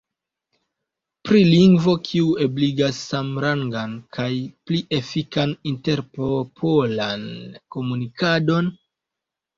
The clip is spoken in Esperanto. Pri lingvo kiu ebligas samrangan kaj pli efikan interpopolan komunikadon?